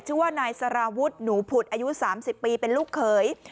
ชื่อว่านายสารวุฒิหนูผุดอายุ๓๐ปีเป็นลูกเขย